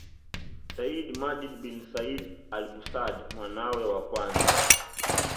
Sayyid Majid bin Said Al Busad mwanawe wa kwanza